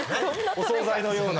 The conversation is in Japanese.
お総菜のような。